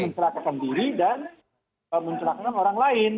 kita menceletakan diri dan menceletakan orang lain